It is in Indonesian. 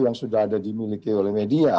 yang sudah ada dimiliki oleh media